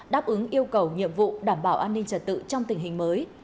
đáp ứng yêu cầu nhiệm vụ đảm bảo an ninh trật tự trong tình hình mới